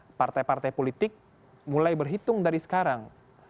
karena partai partai politik mulai berhitung dari sekarang